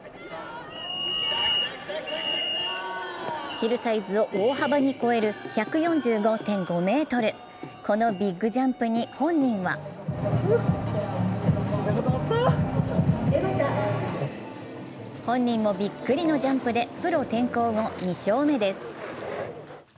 ヒルサイズを大幅に超える１４５．５ｍ、このビッグジャンプに本人は本人もびっくりのジャンプでプロ転向後、２勝目です。